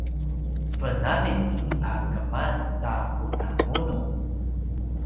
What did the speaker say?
venalid a keman ta kudamunu